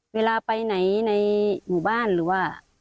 เวลาไปไหนในหมู่บ้านหรือว่า